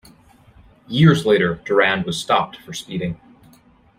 Years later Durand was stopped for speeding.